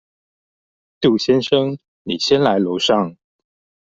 杜先生，你先上來樓上